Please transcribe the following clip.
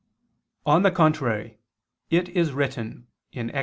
On the contrary, It is written (Ex.